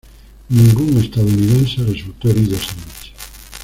Ningún estadounidense resultó herido esa noche.